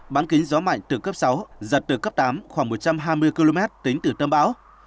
bán kính gió mạnh từ cấp sáu giật từ cấp tám khoảng một trăm hai mươi km tính từ tâm bão